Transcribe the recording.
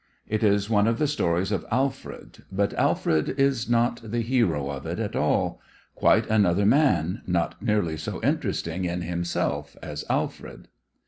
It is one of the stories of Alfred; but Alfred is not the hero of it at all quite another man, not nearly so interesting in himself as Alfred.